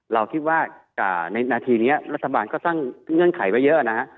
เราคิดว่าในนาทีนี้รัฐบาลก็ตั้งเงื่อนไขไว้เยอะนะฮะ